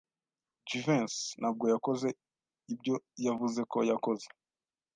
Jivency ntabwo yakoze ibyo yavuze ko yakoze.